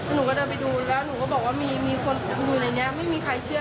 หนูก็เดินไปดูแล้วหนูก็บอกว่ามีคนอยู่ในนี้